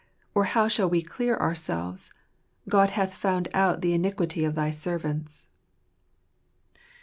or how shall we clear ourselves? God hath found out the iniquity of thy servants."